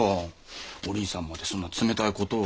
お倫さんまでそんな冷たい事を。